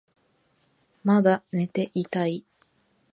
まだ寝ていたい